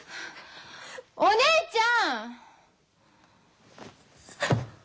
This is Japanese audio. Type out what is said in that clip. お姉ちゃん！